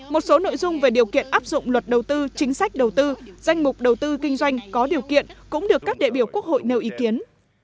một số nội dung về điều kiện áp dụng luật đầu tư chính sách đầu tư danh mục đầu tư kinh doanh có điều kiện cũng được các đại biểu quốc hội nêu ý kiến